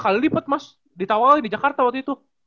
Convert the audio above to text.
tiga kali lipat mas ditawarin di jakarta waktu itu